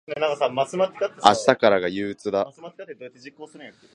明日からが憂鬱だ。